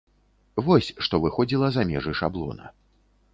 Вось што выходзіла за межы шаблона.